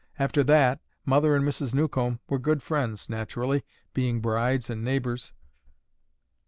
After that Mother and Mrs. Newcomb were good friends, naturally, being brides and neighbors."